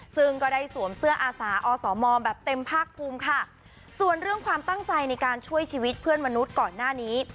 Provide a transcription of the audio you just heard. ซึ่งก็ได้สวมเสื้ออาสาอสมแบบเต็มภาคภูมิค่ะส่วนเรื่องความตั้งใจในการช่วยชีวิตเพื่อนมนุษย์ก่อนหน้านี้